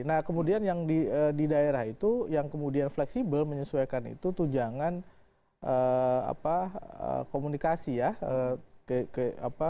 nah kemudian yang di daerah itu yang kemudian fleksibel menyesuaikan itu tunjangan komunikasi ya